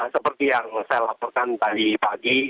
seperti yang saya laporkan tadi pagi